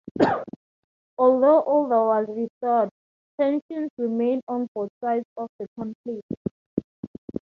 Although order was restored, tensions remained on both sides of the conflict.